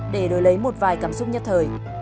để đổi lấy một vài cảm xúc nhất thời